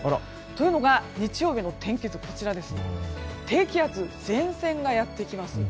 というのが、こちら日曜日の天気図なんですが低気圧前線がやってきます。